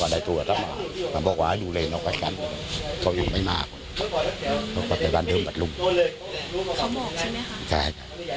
แล้วดูมีพิรุธอยู่มีอะไรไหมครอบครัวเขาว่ากัน